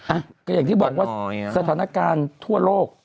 อ่ะก็อย่างที่บอกว่าสถานการณ์ทั่วโลก